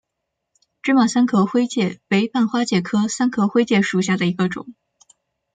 芝麻三壳灰介为半花介科三壳灰介属下的一个种。